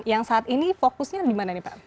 yang saat ini fokusnya di mana nih pak